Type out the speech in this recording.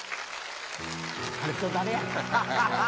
誰と誰や。